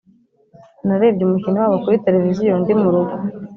narebye umukino wabo kuri televiziyo ndi mu rugo